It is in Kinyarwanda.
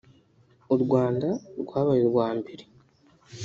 u Rwanda rwabaye urwa mbere